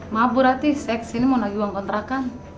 maaf bu ratih saya kesini mau nagih uang kontrakan